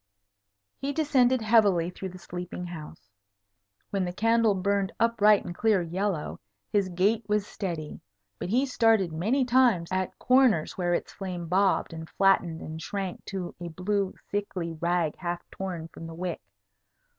He descended heavily through the sleeping house. When the candle burned upright and clear yellow, his gait was steady; but he started many times at corners where its flame bobbed and flattened and shrunk to a blue, sickly rag half torn from the wick.